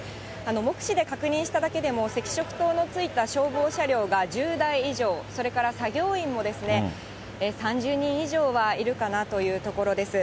目視で確認しただけでも赤色灯のついた消防車両が１０台以上、それから作業員も３０人以上はいるかなというところです。